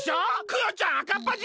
クヨちゃんあかっぱじ！